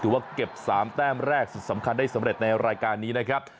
ว่าเก็บ๓แต้มแรกสุดสำคัญได้สำเร็จในรายการนี้นะครับ